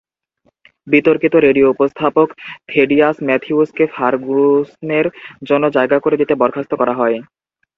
বিতর্কিত রেডিও উপস্থাপক থেডিয়াস ম্যাথিউসকে ফার্গুসনের জন্য জায়গা করে দিতে বরখাস্ত করা হয়।